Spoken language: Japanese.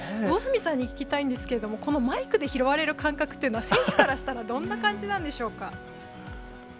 両角さんに聞きたいんですけども、このマイクで拾われる感覚というのは、選手からしたらどんな感じなんでしょうか。